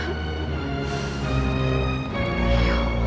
minta milih ktu lho